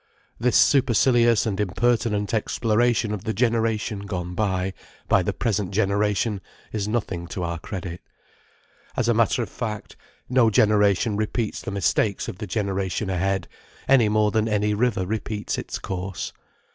This supercilious and impertinent exploration of the generation gone by, by the present generation, is nothing to our credit. As a matter of fact, no generation repeats the mistakes of the generation ahead, any more than any river repeats its course.